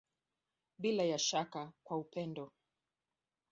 Bila ya shaka kwa upendo.